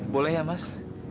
boleh ya mas